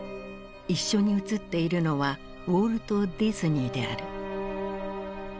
一緒に写っているのはウォルト・ディズニーである。